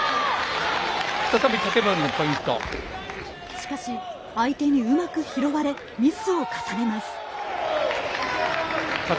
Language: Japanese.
しかし、相手にうまく拾われミスを重ねます。